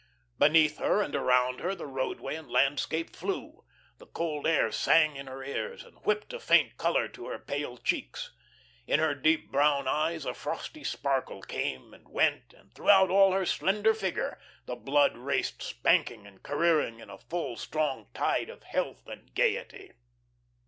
Beneath her and around her the roadway and landscape flew; the cold air sang in her ears and whipped a faint colour to her pale cheeks; in her deep brown eyes a frosty sparkle came and went, and throughout all her slender figure the blood raced spanking and careering in a full, strong tide of health and gaiety.